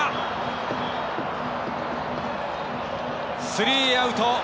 スリーアウト。